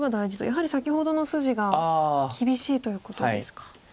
やはり先ほどの筋が厳しいということですか。